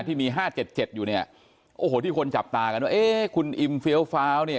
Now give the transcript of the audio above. ที่มีห้าเจ็ดเจ็ดอยู่เนี้ยโอ้โหที่คนจับตากันว่าเอ๊คุณอิมเฟียวฟาวเนี้ย